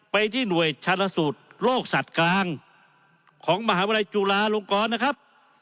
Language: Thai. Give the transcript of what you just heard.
ไปที่หน่วยชาญสูตรโรคสัตว์กลางของมหาวิทยาลัยจุฬาลงกรนะครับ